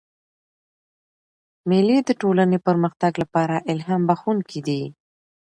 مېلې د ټولني د پرمختګ له پاره الهام بخښونکي دي.